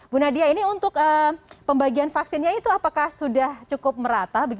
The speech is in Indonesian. bu nadia ini untuk pembagian vaksinnya itu apakah sudah cukup merata